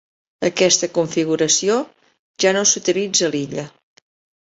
Aquesta configuració ja no s'utilitza a l'illa.